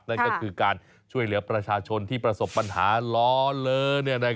นั่นก็คือการช่วยเหลือประชาชนที่ประสบปัญหาล้อเลอ